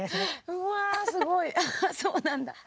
うわすごいああそうなんだ。